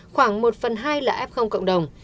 khoảng một phần hai là f cộng đồng